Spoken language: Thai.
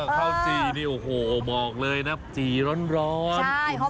ข้าวจี่นี่โอ้โหบอกเลยนะจีร้อน